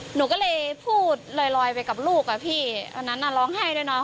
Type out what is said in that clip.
หนูก็เลยพูดลอยไปกับลูกอ่ะพี่อันนั้นน่ะร้องไห้ด้วยเนาะ